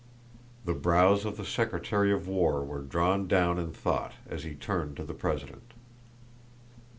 The brows of the secretary of war were drawn down in thought as he turned to the president.